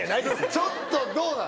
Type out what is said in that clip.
ちょっとどうなん？